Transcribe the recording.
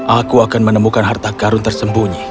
aku akan menemukan harta karun tersembunyi